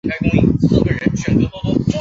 担杆山路沿途并无专营巴士站。